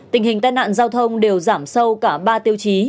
tình hình tai nạn giao thông đều giảm sâu cả ba tiêu chí